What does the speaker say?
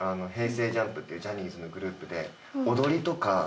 ＪＵＭＰっていうジャニーズのグループで踊りとか。